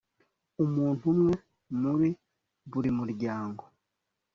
umuntu umwe muri buri muryango,